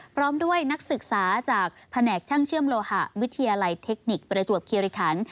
พร้อมด้วยนักศึกษาจากแผนกช่างเชื่อมโลหะวิทยาลัยเทคนิคประจวบคิริคัน